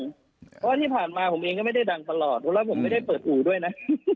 เพราะว่าที่ผ่านมาผมเองก็ไม่ได้ดังตลอดแล้วผมไม่ได้เปิดอู่ด้วยนะ